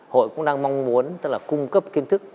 hội cũng đang mong muốn tức là cung cấp kiến thức